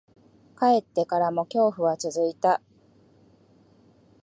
帰ってからも、恐怖は続いた。